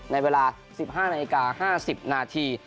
ในเวลา๑๕นาที๕๐นาที